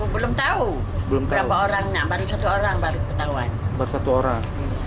belum tahu baru satu orang baru ketahuan